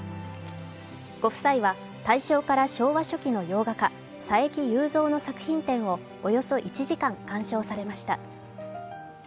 ご夫妻は大正から昭和初期の洋画家・佐伯祐三の作品展をおよそ１時間、鑑賞されました。